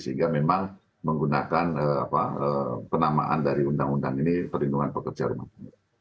sehingga memang menggunakan penamaan dari undang undang ini perlindungan pekerja rumah tangga